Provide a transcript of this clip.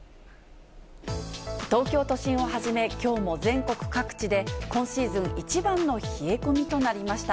東京都心をはじめ、きょうも全国各地で今シーズン一番の冷え込みとなりました。